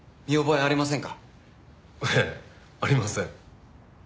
ええありません。